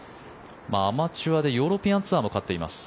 アマチュアでヨーロピアンツアーも勝っています。